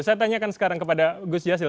saya tanyakan sekarang kepada gus jasil